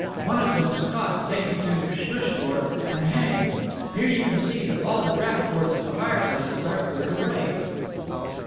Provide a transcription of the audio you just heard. One of them was caught, taken to Schlusselbourg and hanged. Here you can see that all the draught boards of the fireplaces are cleared away."